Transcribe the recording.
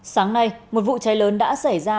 sáng nay một vụ cháy lớn đã xảy ra